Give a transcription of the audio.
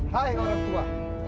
hai orang tua